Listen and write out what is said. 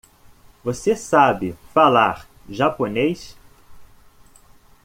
Você sabe falar japonês?